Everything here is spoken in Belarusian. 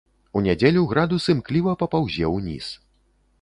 У нядзелю градус імкліва папаўзе ўніз.